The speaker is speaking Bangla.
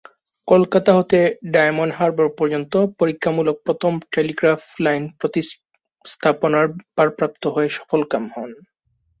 কলকাতা হতে ডায়মন্ড হারবার পর্যন্ত পরীক্ষামূলক প্রথম টেলিগ্রাফ লাইন স্থাপনার ভারপ্রাপ্ত হয়ে সফলকাম হন।